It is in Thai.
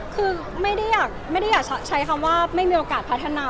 คือไม่ได้อยากใช้คำว่าไม่มีโอกาสพัฒนา